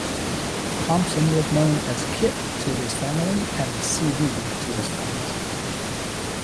Thomson was known as Kit to his family and C. B. to his friends.